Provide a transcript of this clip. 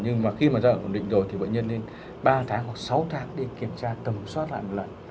nhưng mà khi mà giai đoạn đầu thì bệnh nhân lên ba tháng hoặc sáu tháng đi kiểm tra tầm soát lại một lần